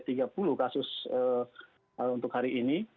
tiga puluh kasus untuk hari ini